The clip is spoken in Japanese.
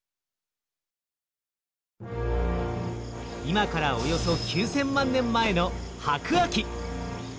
今からおよそ９，０００万年前の白亜紀。